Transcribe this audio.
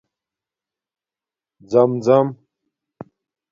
زَمزم